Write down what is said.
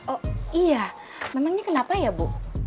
oh iya memangnya kenapa ya bu